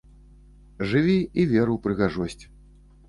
Жыві і вер у прыгажосць!